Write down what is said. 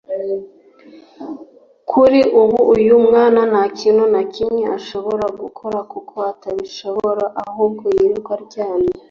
Kuri ubu uyu mwana nta kintu na kimwe ashobora gukora kuko atabishobora ahubwo yirirwa aryamye